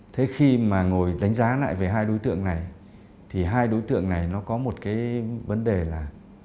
thế khi mà ngồi đánh giá lại về hai đối tượng này thì hai đối tượng này nó có một cái vấn đề là